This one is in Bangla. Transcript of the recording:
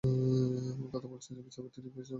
এমন কথা বলছেন যা বিচারবুদ্ধি দিয়ে বিবেচনা করা যায় না!